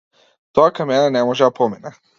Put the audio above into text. Тоа кај мене не може да помине!